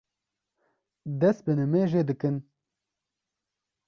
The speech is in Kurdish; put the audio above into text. dest bi nimêjê dikin.